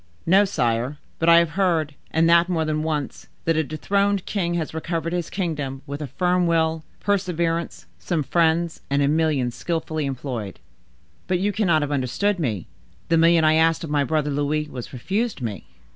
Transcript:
"No, sire; but I have heard—and that more than once—that a dethroned king has recovered his kingdom with a firm will, perseverance, some friends, and a million skillfully employed." "But you cannot have understood me. The million I asked of my brother Louis was refused me."